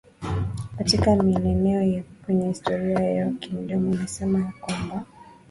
Katika milenia ya kwanza historia yao ya kimdomo inasema ya kwamba